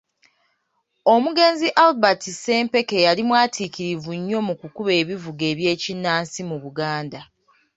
Omugenzi Albert Ssempeke yali mwatiikirivu nnyo mu kukuba ebivuga eby’ekinnansi mu Buganda.